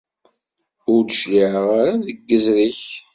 Ur d-cliεeɣ ara deg izri-k.